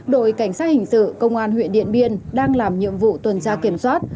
đội cảnh sát hình sự công an huyện điện biên đang làm nhiệm vụ tuần tra kiểm soát